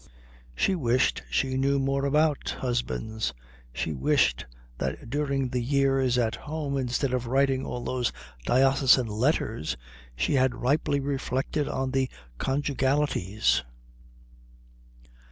She wished she knew more about husbands. She wished that during the years at home instead of writing all those diocesan letters she had ripely reflected on the Conjugalities.